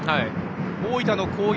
大分の攻撃